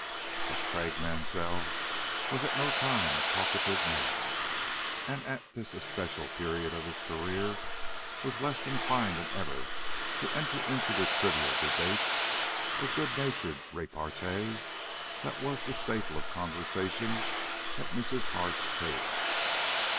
But Craik Mansell was at no time a talkative man, and at this especial period of his career was less inclined than ever to enter into the trivial debates or good natured repartee that was the staple of conversation at Mrs. Hart's table.